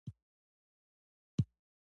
که چیرې له مایع څخه انرژي واخیستل شي.